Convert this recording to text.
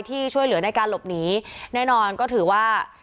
ที่ช่วยเหลือในการหลบหนีแน่นอนก็ถือว่า